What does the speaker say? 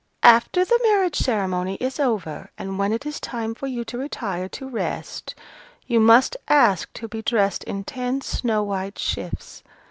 "After the marriage ceremony is over, and when it is time for you to retire to rest, you must ask to be dressed in ten snow white shifts.